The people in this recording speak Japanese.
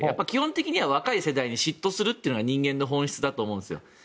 基本的には若い世代に嫉妬するというのが人間の本質だと思うんですよ。